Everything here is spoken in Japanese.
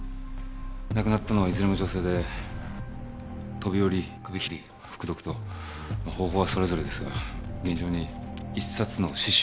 亡くなったのはいずれも女性で飛び降り首切り服毒と方法はそれぞれですが現場に一冊の詩集が残されていました。